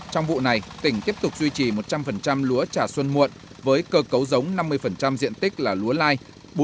trong vụ này tỉnh tiếp tục duy trì một trăm linh lúa trà xuân muộn với cơ cấu giống năm mươi diện tích là lúa lai